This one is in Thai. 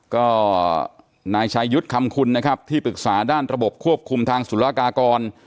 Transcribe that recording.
ก็นายชายุทธ์คำคุณนะครับที่ปรึกษาด้านระบบควบคุมทางสุรกากร